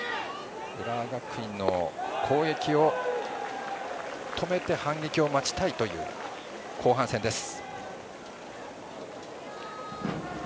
浦和学院の攻撃を止めて反撃を待ちたいという後半戦です。